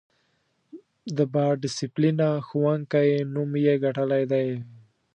د با ډسیپلینه ښوونکی نوم یې ګټلی دی.